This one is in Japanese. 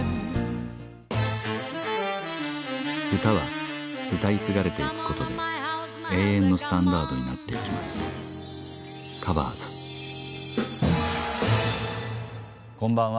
歌は歌い継がれていくことで永遠のスタンダードになっていきますこんばんは。